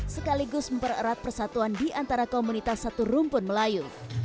sekaligus mempererat persatuan di antara komunitas satu rumpun melayu